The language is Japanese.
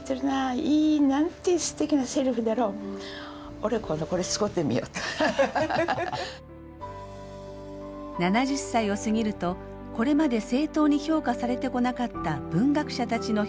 ７０歳を過ぎるとこれまで正当に評価されてこなかった文学者たちの評伝に力を注ぎました。